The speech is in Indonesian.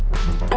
putri usus goreng